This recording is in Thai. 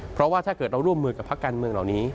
เพราะว่าถ้าเกิดเราร่วมมือกับพักการเมืองเหล่านี้